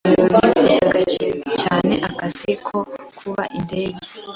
Nifuzaga cyane akazi ko kuba indege.